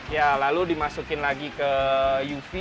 ya lalu dimasukin lagi ke uv